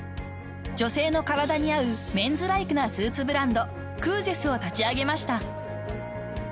女性の体に合うメンズライクなスーツブランドクーゼスを立ち上げました］